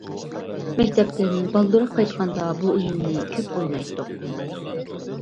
مەكتەپتىن بالدۇرراق قايتقاندا بۇ ئويۇننى كۆپ ئوينايتتۇق.